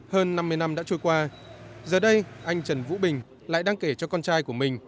hơn năm mươi năm đã trôi qua giờ đây anh trần vũ bình lại đang kể cho con trai của mình